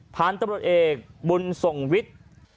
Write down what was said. พานตำรนตร์เองบุญทรวิทย์